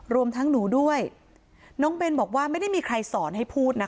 รวมทั้งหนูด้วยน้องเบนบอกว่าไม่ได้มีใครสอนให้พูดนะคะ